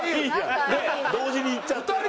同時にいっちゃって。